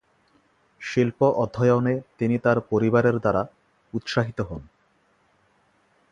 শিল্প অধ্যয়নে তিনি তার পরিবারের দ্বারা উৎসাহিত হন।